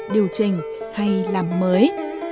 điều chỉnh hay làm mới